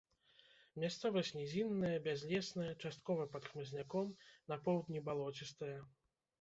Мясцовасць нізінная, бязлесная, часткова пад хмызняком, на поўдні балоцістая.